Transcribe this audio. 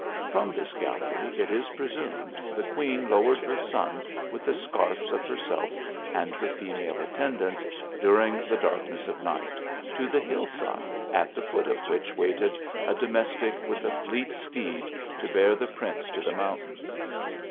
From this gallery, it is presumed, the queen lowered her son with the scarfs of herself and her female attendants, during the darkness of night, to the hill side, at the foot of which waited a domestic with a fleet steed to bear the prince to the mountains.